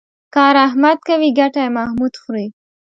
کار احمد کوي ګټه یې محمود خوري.